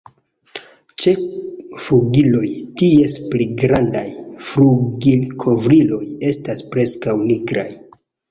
Ĉe flugiloj, ties pli grandaj flugilkovriloj estas preskaŭ nigraj.